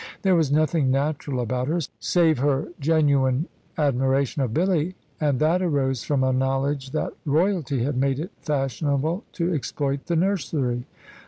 There was nothing natural about her, save her genuine adoration of Billy, and that arose from a knowledge that royalty had made it fashionable to exploit the nursery.